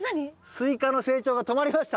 スイカの成長が止まりました。